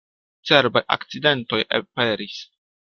Cerbaj akcidentoj aperis.